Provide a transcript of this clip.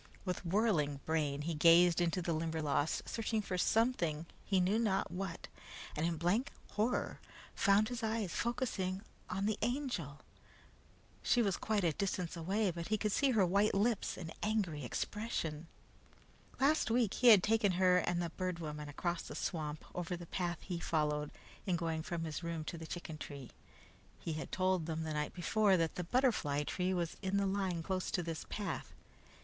With whirling brain he gazed into the Limberlost, searching for something, he knew not what, and in blank horror found his eyes focusing on the Angel. She was quite a distance away, but he could see her white lips and angry expression. Last week he had taken her and the Bird Woman across the swamp over the path he followed in going from his room to the chicken tree. He had told them the night before, that the butterfly tree was on the line close to this path.